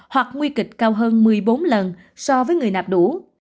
hoặc nguy kịch cao hơn một mươi bốn lần so với người nạp đủ